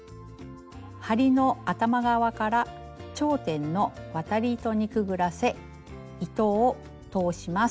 針の頭側から頂点の渡り糸にくぐらせ糸を通します。